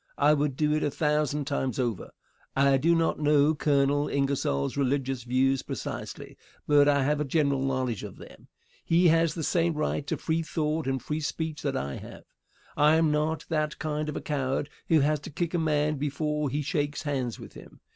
I would do it a thousand times over. I do not know Colonel Ingersoll's religious views precisely, but I have a general knowledge of them. He has the same right to free thought and free speech that I have. I am not that kind of a coward who has to kick a man before he shakes hands with him.